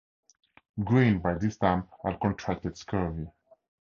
Green, by this time had contracted scurvy.